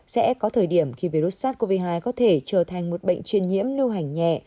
sẽ có thời điểm khi virus sars cov hai có thể trở thành một bệnh truyền nhiễm lưu hành nhẹ